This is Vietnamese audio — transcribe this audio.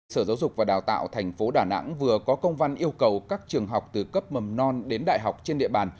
sở giáo dục và đào tạo tp đà nẵng vừa có công văn yêu cầu các trường học từ cấp mầm non đến đại học trên địa bàn